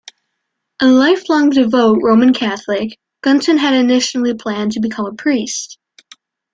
A lifelong devout Roman Catholic, Gunton had initially planned to become a priest.